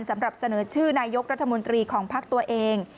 สำหรับเสนอชื่อนายกรัฐมนตรีของภักดิ์ตัวเอง